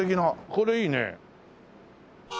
これいいね！